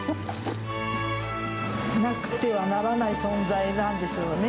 なくてはならない存在なんでしょうね。